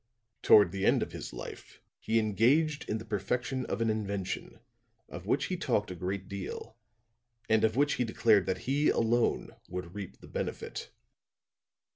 Toward the end of his life he engaged in the perfection of an invention of which he talked a great deal and of which he declared that he alone would reap the benefit.